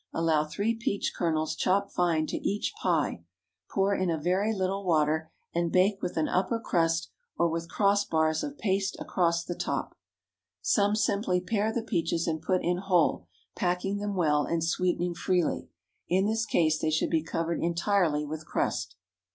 Allow three peach kernels, chopped fine, to each pie; pour in a very little water, and bake with an upper crust, or with cross bars of paste across the top. Some simply pare the peaches and put in whole, packing them well, and sweetening freely. In this case they should be covered entirely with crust.